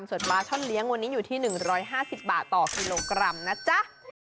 ส่วนปลาช่อนเลี้ยงวันนี้อยู่ที่๑๕๐บาทต่อกิโลกรัมนะจ๊ะ